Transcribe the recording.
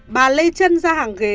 bà lê chân ra hàng ghế